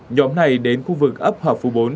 nhóm này đến khu vực ấp hòa phú bốn